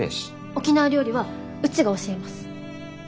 沖縄料理はうちが教えます。